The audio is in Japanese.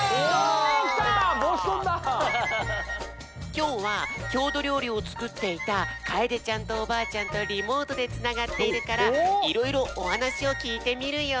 きょうはきょうどりょうりをつくっていたかえでちゃんとおばあちゃんとリモートでつながっているからいろいろおはなしをきいてみるよ！